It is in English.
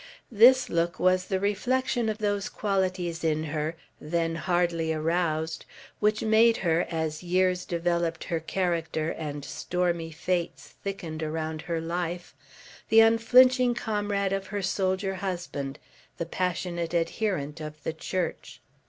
This look was the reflection of those qualities in her, then hardly aroused, which made her, as years developed her character and stormy fates thickened around her life, the unflinching comrade of her soldier husband, the passionate adherent of the Church.